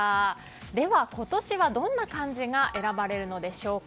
では今年はどんな漢字が選ばれるのでしょうか。